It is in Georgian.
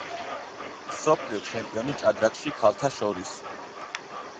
მსოფლიო ჩემპიონი ჭადრაკში ქალთა შორის.